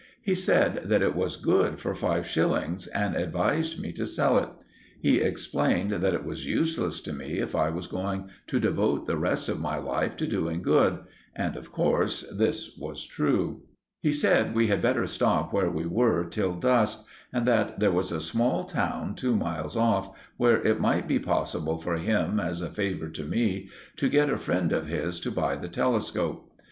He said that it was good for five shillings and advised me to sell it. He explained that it was useless to me if I was going to devote the rest of my life to doing good; and of course this was true. He said we had better stop where we were till dusk, and that there was a small town, two miles off, where it might be possible for him, as a favour to me, to get a friend of his to buy the telescope.